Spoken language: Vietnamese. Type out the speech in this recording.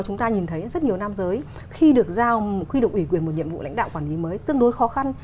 chúng ta nhìn thấy rất nhiều nam giới khi được giao khi được ủy quyền một nhiệm vụ lãnh đạo quản lý mới tương đối khó khăn